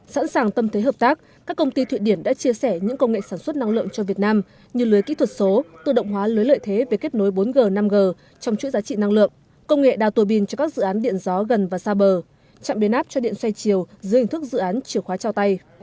sẵn sàng tâm thế hợp tác các công ty thụy điển đã chia sẻ những công nghệ sản xuất năng lượng cho việt nam như lưới kỹ thuật số tự động hóa lưới lợi thế về kết nối bốn g năm g trong chuỗi giá trị năng lượng công nghệ đào tùa pin cho các dự án điện gió gần và xa bờ chạm biến áp cho điện xoay chiều dưới hình thức dự án chìa khóa trao tay